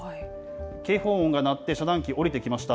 警報音が鳴って、遮断機下りてきました。